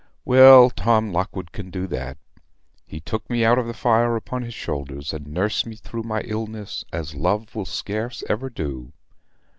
Well, Tom Lockwood can do that. He took me out of the fire upon his shoulders, and nursed me through my illness as love will scarce ever do.